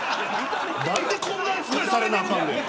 何で、こんな扱いされなあかんねん。